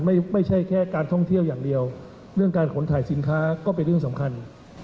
ไม่ใช่แค่การท่องเที่ยวอย่างเดียวเรื่องการขนถ่ายสินค้าก็เป็นเรื่องสำคัญ